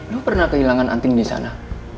lu pernah kehilangan anting di sana